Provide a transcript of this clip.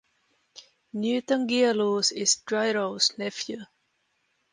Newton Gearloose is Gyro's nephew.